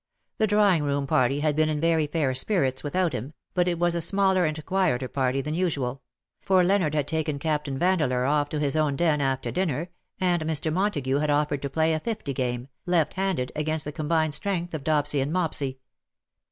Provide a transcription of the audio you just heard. The drawing room party had been in very fair spirits without him, but it was a smaller and a quieter party than usual ; for Leonard had taken Captaiu Vandeleur off to his own den after dinner, and Mr. Montagu had offered to play a fifty game, left handed, against the combined strength of Dopsy and Mopsy.